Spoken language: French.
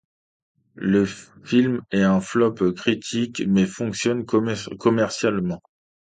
Le film est un flop critique, mais fonctionne commercialement.